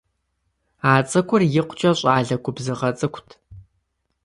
А цӏыкӏур икъукӀэ щӀалэ губзыгъэ цӀыкӀут.